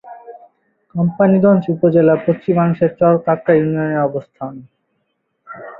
কোম্পানীগঞ্জ উপজেলার পশ্চিমাংশে চর কাঁকড়া ইউনিয়নের অবস্থান।